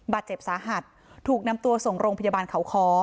บาดเจ็บสาหัสถูกนำตัวส่งโรงพยาบาลเขาคอ